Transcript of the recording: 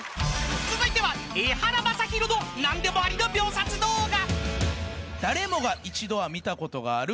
［続いてはエハラマサヒロの何でもありの秒殺動画］